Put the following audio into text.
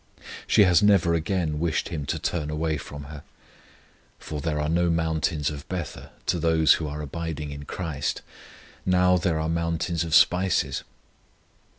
She has never again wished Him to turn away from her, for there are no mountains of Bether to those who are abiding in CHRIST; now there are mountains of spices.